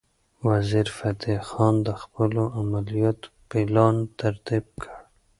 وزیرفتح خان د خپلو عملیاتو پلان ترتیب کړ.